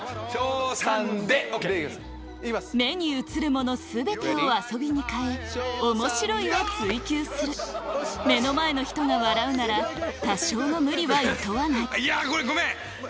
目に映るもの全てを遊びに変え「面白い」を追求する目の前の人が笑うなら多少の無理はいとわないいやごめん！